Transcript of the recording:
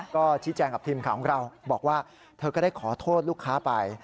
ก็ชี้แจงกับทีมข่าวของเราบอกว่าเธอก็ได้ขอโทษลูกค้าไป